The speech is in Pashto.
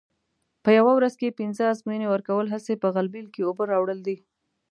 په یوه ورځ کې پینځه ازموینې ورکول هسې په غلبېل کې اوبه راوړل دي.